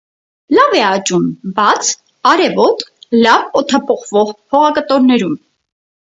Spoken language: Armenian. Լավ է աճում բաց, արևոտ, լավ օդապոխվող հողակտորներում։